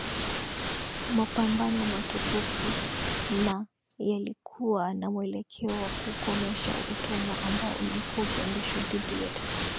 mapambano matukufu na yalikuwa na mwelekeo wa kukomesha utumwa ambao ulikuwa ukiendeshwa dhidi yetu